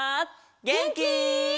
げんき？